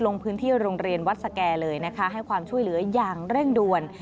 ลงพื้นที่โรงเรียนวัดสแก่เลยนะคะให้ความช่วยเหลืออย่างเร่งด่วน